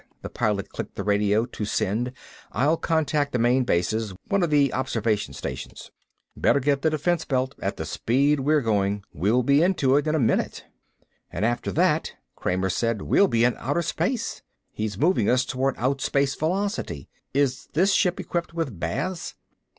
The Pilot clicked the radio to send. "I'll contact the main bases, one of the observation stations." "Better get the defense belt, at the speed we're going. We'll be into it in a minute." "And after that," Kramer said, "we'll be in outer space. He's moving us toward outspace velocity. Is this ship equipped with baths?"